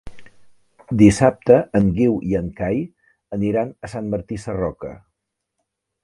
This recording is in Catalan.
Dissabte en Guiu i en Cai aniran a Sant Martí Sarroca.